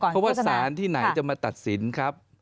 เพราะว่าสารที่ไหนจะมาตัดสินครับ